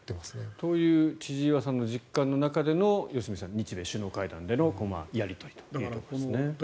という千々岩さんの実感の中での良純さん、日米首脳会談でのやり取りということです。